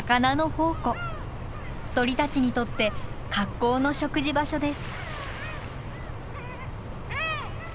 鳥たちにとって格好の食事場所です。